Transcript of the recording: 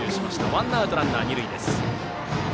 ワンアウトランナー、二塁です。